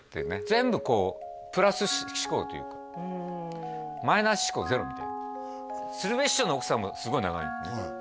全部こうプラス思考というかマイナス思考ゼロみたいな鶴瓶師匠の奥さんもすごい長いのね